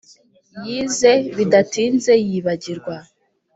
yize, bidatinze yibagirwa.